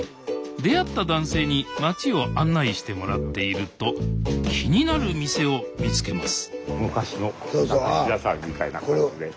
出会った男性に町を案内してもらっていると気になる店を見つけます